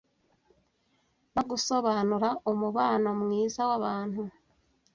no gusobanura umubano mwiza w'abantu